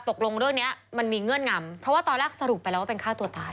ตกลงเรื่องนี้มันมีเงื่อนงำเพราะว่าตอนแรกสรุปไปแล้วว่าเป็นฆ่าตัวตาย